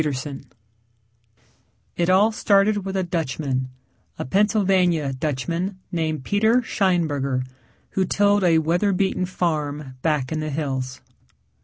] It all started with a Dutchman, a Pennsylvania Dutchman named Peter Scheinberger, who tilled a weather beaten farm back in the hills.